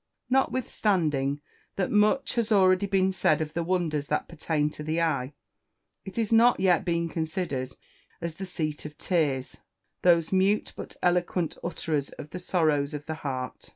Notwithstanding that much has already been said of the wonders that pertain to the eye, it has not yet been considered as the seat of tears, those mute but eloquent utterers of the sorrows of the heart.